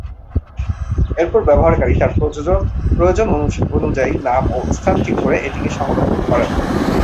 এরপর ব্যবহারকারী তার প্রয়োজন অনুযায়ী নাম ও স্থান ঠিক করে এটিকে সংরক্ষণ করেন।